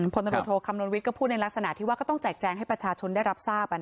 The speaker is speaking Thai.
พลตำรวจโทคำนวณวิทย์ก็พูดในลักษณะที่ว่าก็ต้องแจกแจงให้ประชาชนได้รับทราบ